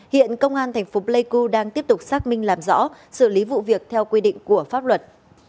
hiện công an thành phố pleiku đang tiếp tục xác minh làm rõ xử lý vụ việc theo quy định của pháp luật